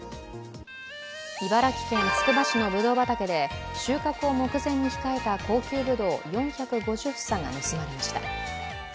茨城県つくば市のぶどう畑で収穫を目前に控えた高級ぶどう４５０房が盗まれました。